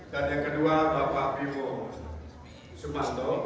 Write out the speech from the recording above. dan yang kedua bapak bimo subanto